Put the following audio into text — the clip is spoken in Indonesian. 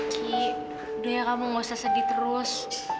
ki udah ya kamu nggak usah sedih terus